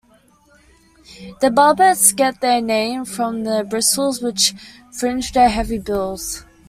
The barbets get their name from the bristles which fringe their heavy bills.